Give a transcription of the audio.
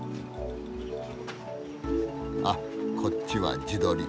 あっこっちは自撮り。